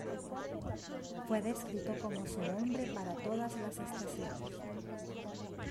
Fue descrito como su "hombre para todas las estaciones".